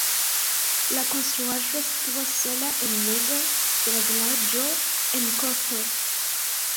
La konstruaĵo situas sola en mezo de la vilaĝo en korto.